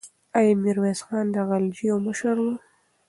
آیا میرویس خان د غلجیو مشر و؟